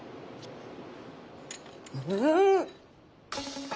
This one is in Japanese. うん！